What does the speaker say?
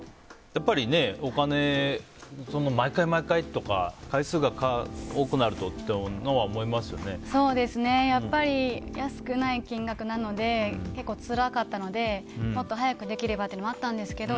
やっぱりお金、毎回毎回とか回数が多くなるとというのはやっぱり安くない金額なので結構、つらかったのでもっと早くできればというのもあったんですけど。